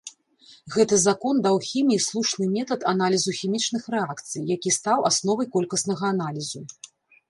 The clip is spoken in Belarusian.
Гэты закон даў хіміі слушны метад аналізу хімічных рэакцый, які стаў асновай колькаснага аналізу.